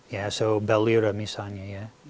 jadi bel lirik misalnya